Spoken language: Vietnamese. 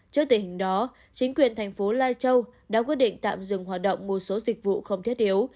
trước tình hình đó chính quyền thành phố lai châu đã quyết định tạm dừng hoạt động một số dịch vụ không thiết yếu